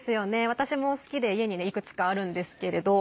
私も好きで家にいくつかあるんですけれど。